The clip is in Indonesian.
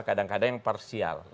kadang kadang yang parsial